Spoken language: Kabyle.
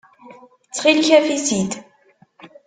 Ttxil-k, af-itt-id.